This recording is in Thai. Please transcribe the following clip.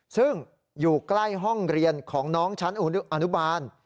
ซึ่งอยู่ใกล้ห้องเรียนของน้องชั้นอนุบาล